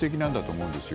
思うんですよ。